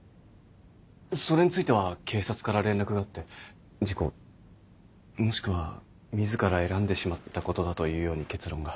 それについては警察から連絡があって事故もしくは自ら選んでしまったことだというように結論が。